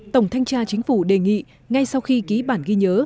tổng thanh tra chính phủ đề nghị ngay sau khi ký bản ghi nhớ